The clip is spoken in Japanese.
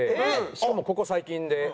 しかもここ最近で。